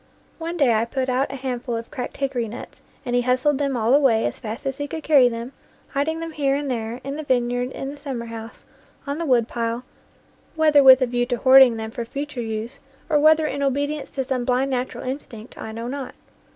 One day I put out a handful of cracked hickory nuts, and he hustled them all away as fast as he could carry them, hiding them here and there, in the vineyard, in the summer house, on the woodpile, whether with a view to hoarding them for future use, or whether in obedience to some blind natural instinct, I know not.